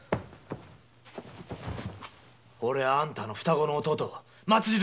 オレはあんたの双子の弟松次郎だ。